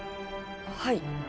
はい。